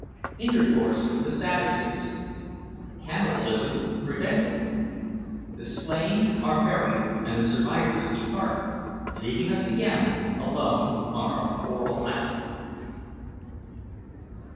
INTERCOURSE WITH THE SAVAGES CANNIBALISM PREVENTED THE SLAIN ARE BURIED AND THE SURVIVORS DEPART, LEAVING US AGAIN ALONE ON OUR CORAL ISLAND.